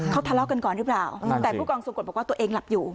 เขาทะเลาะกันก่อนหรือเปล่าแต่ผู้กองทรงกฎบอกว่าตัวเองหลับอยู่